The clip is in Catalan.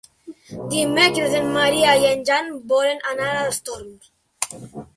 Dimecres en Maria i en Jan volen anar als Torms.